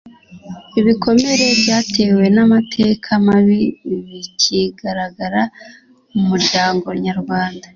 ibikomere byatewe n amateka mabi bikigaragara mu muryango nyarwanda